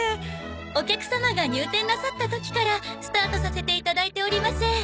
お客様が入店なさった時からスタートさせていただいております。